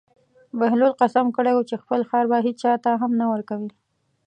بهلول قسم کړی و چې خپل خر به هېچا ته هم نه ورکوي.